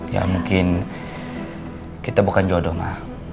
ya mungkin kita bukan jodoh